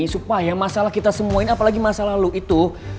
supaya masalah kita semua ini apalagi masalah lu itu